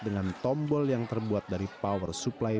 dengan tombol yang terbuat dari power supply